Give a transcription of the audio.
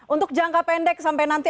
untuk jangka pendek sampai nanti